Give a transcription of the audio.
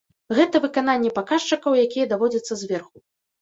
Гэта выкананне паказчыкаў, якія даводзяцца зверху.